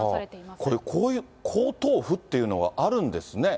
これ、こういう皇統譜っていうのがあるんですね。